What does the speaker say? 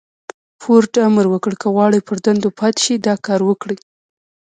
فورډ امر وکړ که غواړئ پر دندو پاتې شئ دا کار وکړئ.